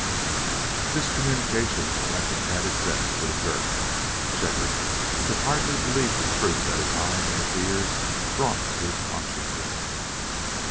This communication lent an added zest to the journey. Shefford could hardly believe the truth that his eyes and his ears brought to his consciousness.